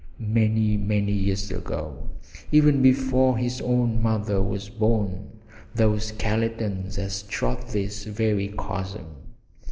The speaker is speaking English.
Many, many years ago, even before his own mother was born, those skeletons had trod this very chasm.